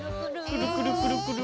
くるくるくるくる！